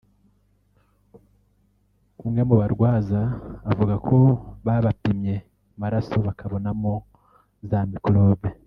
umwe mu barwaza avuga ko babapimye amaraso bakabonamo za mikorobe